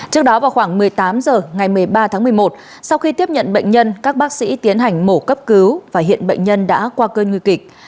trước đó vào khoảng một mươi tám h ngày một mươi ba tháng một mươi một sau khi tiếp nhận bệnh nhân các bác sĩ tiến hành mổ cấp cứu và hiện bệnh nhân đã qua cơn nguy kịch